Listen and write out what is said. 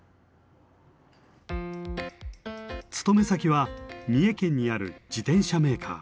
勤め先は三重県にある自転車メーカー。